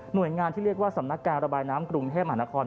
โดยงานที่เรียกว่าสำนักการระบายน้ำกรุงเทพมหานคร